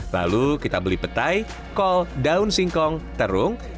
lalu kita beli petai kol daun singkong terung